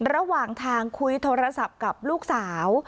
ระหว่างทางคุยโทรศัพท์กับลูกสาว